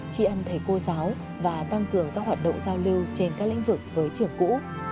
tri ân thầy cô giáo và tăng cường các hoạt động giao lưu trên các lĩnh vực với trường cũ